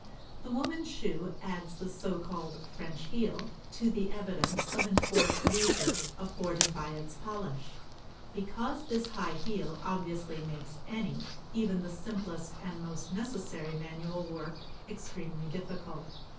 The woman's shoe adds the so called French heel to the evidence of enforced leisure afforded by its polish; because this high heel obviously makes any, even the simplest and most necessary manual work extremely difficult.